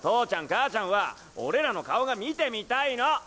母ちゃんは俺らの顔が見てみたいの。